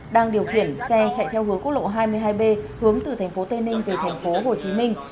đang điều khiển xe chạy theo hướng quốc lộ hai mươi hai b hướng từ thành phố tây ninh về thành phố hồ chí minh